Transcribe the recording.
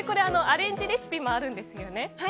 アレンジレシピもあるんですよね。